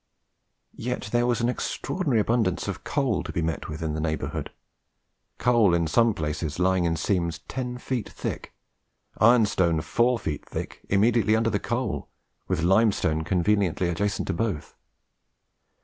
Yet there was an extraordinary abundance of coal to be met with in the neighbourhood coal in some places lying in seams ten feet thick ironstone four feet thick immediately under the coal, with limestone conveniently adjacent to both.